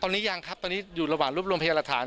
ตอนนี้ยังครับตอนนี้อยู่ระหว่างรวบรวมพยานหลักฐาน